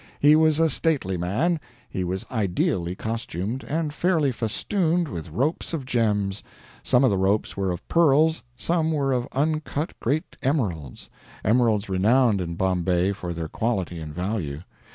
He was a stately man, he was ideally costumed, and fairly festooned with ropes of gems; some of the ropes were of pearls, some were of uncut great emeralds emeralds renowned in Bombay for their quality and value.